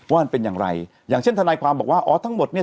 ว่ามันเป็นอย่างไรอย่างเช่นทนายความบอกว่าอ๋อทั้งหมดเนี่ย